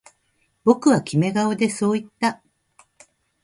僕はキメ顔でそう言った